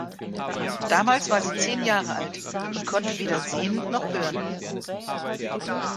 Damals war sie zehn Jahre alt und konnte weder sehen noch hören.